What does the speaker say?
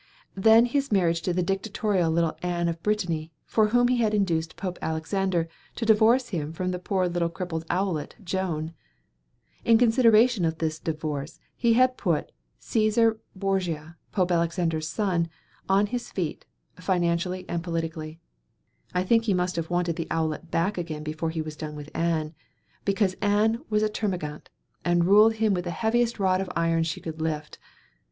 Then his marriage to dictatorial little Anne of Brittany, for whom he had induced Pope Alexander to divorce him from the poor little crippled owlet, Joan. In consideration of this divorce he had put Cæsar Borgia, Pope Alexander's son, on his feet, financially and politically. I think he must have wanted the owlet back again before he was done with Anne, because Anne was a termagant and ruled him with the heaviest rod of iron she could lift.